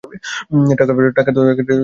টাকা তো আমাদেরও।